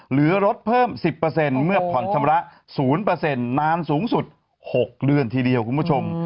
เหลือลดเพิ่ม๑๐เมื่อผ่อนชำระ๐น้ำสูงสุด๖เดือนทีเดียวคุณผู้ชม